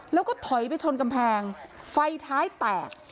แล้วก็ถอยไปชนกำแพงไฟท้ายแตก